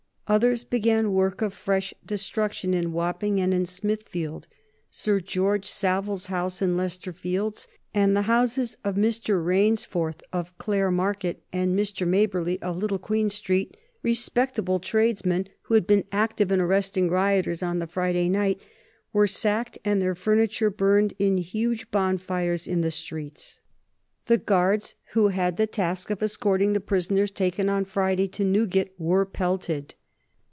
Others began work of fresh destruction in Wapping and in Smithfield. Sir George Savile's house in Leicester Fields, and the houses of Mr. Rainsforth of Clare Market, and Mr. Maberly of Little Queen Street, respectable tradesmen who had been active in arresting rioters on the Friday night, were sacked and their furniture burned in huge bonfires in the streets. The Guards who had the task of escorting the prisoners taken on Friday to Newgate were pelted.